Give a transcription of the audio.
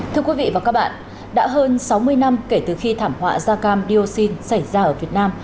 thưa quý vị và các bạn đã hơn sáu mươi năm kể từ khi thảm họa da cam dioxin xảy ra ở việt nam